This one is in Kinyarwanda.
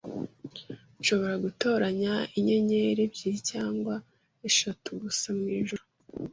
Nshobora gutoranya inyenyeri ebyiri cyangwa eshatu gusa mwijuru.